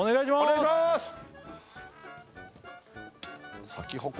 お願いしますだな